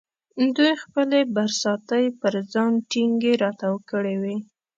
دوی خپلې برساتۍ پر ځان ټینګې را تاو کړې وې.